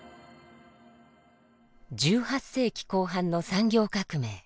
１８世紀後半の産業革命。